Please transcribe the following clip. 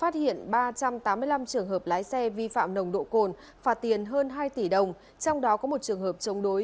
trường hợp lái xe vi phạm nồng độ cồn phạt tiền hơn hai tỷ đồng trong đó có một trường hợp chống đối